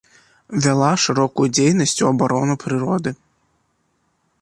Вяла шырокую дзейнасць у абарону прыроды.